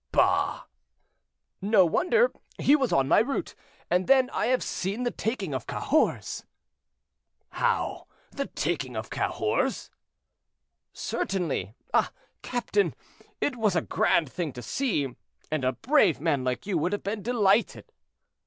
"Bah!" "No wonder, he was on my route. And then I have seen the taking of Cahors." "How? the taking of Cahors?" "Certainly. Ah! captain, it was a grand thing to see, and a brave man like you would have been delighted."